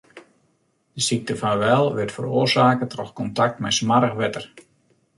De sykte fan Weil wurdt feroarsake troch kontakt mei smoarch wetter.